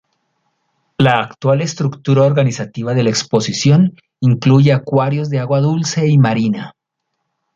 La actual estructura organizativa de la exposición incluye acuarios de agua dulce y marina.